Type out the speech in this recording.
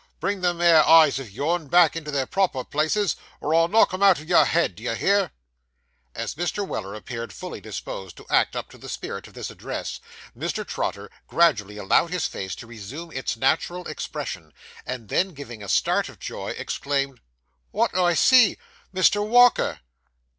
Bring them 'ere eyes o' yourn back into their proper places, or I'll knock 'em out of your head. D'ye hear?' As Mr. Weller appeared fully disposed to act up to the spirit of this address, Mr. Trotter gradually allowed his face to resume its natural expression; and then giving a start of joy, exclaimed, 'What do I see? Mr. Walker!